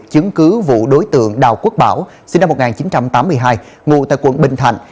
chứng cứ vụ đối tượng đào quốc bảo sinh năm một nghìn chín trăm tám mươi hai ngụ tại quận bình thạnh